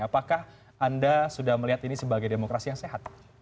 apakah anda sudah melihat ini sebagai demokrasi yang sehat